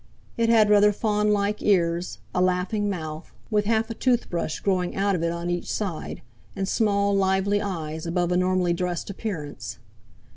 It had rather fawn like ears, a laughing mouth, with half a toothbrush growing out of it on each side, and small lively eyes, above a normally dressed appearance.